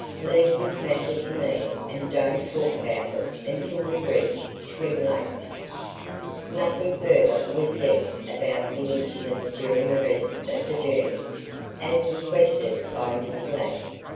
Leave this matter to me and don't talk about it until we reach Twin Lakes." Nothing further was said about the incident during the rest of the journey, as requested by Miss Ladd.